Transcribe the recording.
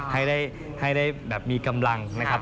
ให้ได้แบบมีกำลังนะครับ